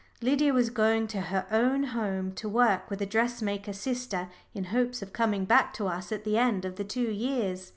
Lydia was going to her own home to work with a dressmaker sister in hopes of coming back to us at the end of the two years.